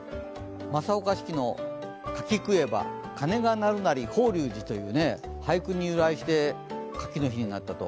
正岡子規の「柿食えば鐘が鳴るなり法隆寺」っていう俳句に由来して柿の日になったと。